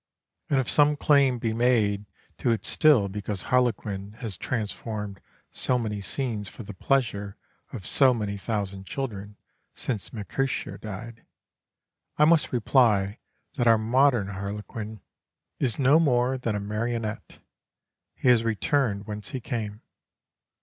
And if some claim be made to it still because Harlequin has transformed so many scenes for the pleasure of so many thousand children, since Mercutio died, I must reply that our modern Harlequin is no more than a marionnette; he has returned whence he came.